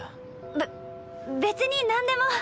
べ別になんでも。